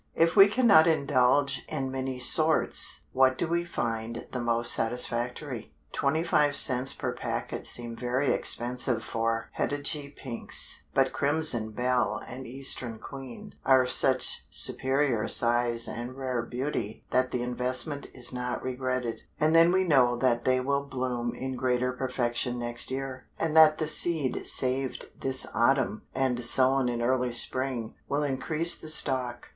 If we cannot indulge in many sorts, what do we find the most satisfactory? Twenty five cents per packet seemed very expensive for Heddewigii Pinks, but Crimson Belle and Eastern Queen are of such superior size and rare beauty that the investment is not regretted, and then we know that they will bloom in greater perfection next year, and that the seed saved this autumn and sown in early spring, will increase the stock.